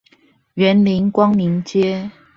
員林光明街